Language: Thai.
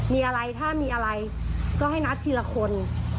มีอะไรถ้ามีอะไรก็ให้นัดทีละคน